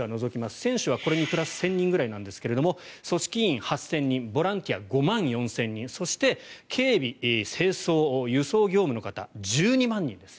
選手はこれにプラスされますが組織委８０００人ボランティア５万４０００人そして警備、清掃輸送業務の方、１２万人です。